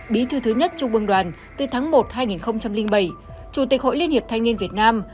bí thư thứ nhất trung ương đoàn từ tháng một hai nghìn bảy chủ tịch hội liên hiệp thanh niên việt nam